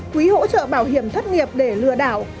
quỹ hỗ trợ bảo hiểm thất nghiệp để lừa đảo